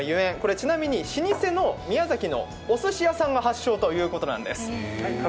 ちなみに老舗の宮崎のおすし屋さんが発祥ということです。